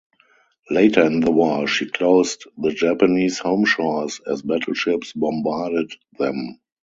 Later in the war, she closed the Japanese home shores as battleships bombarded them.